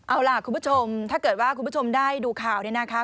เอาล่ะคุณผู้ชมถ้าเกิดว่าคุณผู้ชมได้ดูข่าวเนี่ยนะคะ